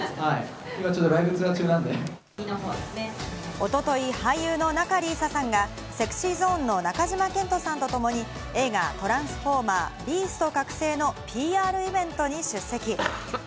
おととい俳優の仲里依紗さんがＳｅｘｙＺｏｎｅの中島健人さんと共に映画『トランスフォーマー／ビースト覚醒』のＰＲイベントに出席。